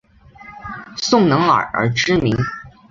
宋能尔而知名。